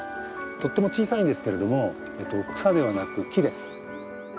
とっても小さいんですけれども草ではなく木です。